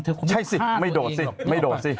เธอคงไม่พลาดตัวเองหรอกโอเคใช่สิไม่โดดสิ